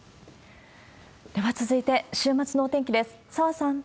では続いて、週末のお天気です。